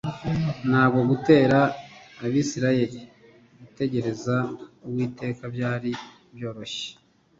ntabwo gutera abisiraheli gutegereza uwiteka byari byoroshye.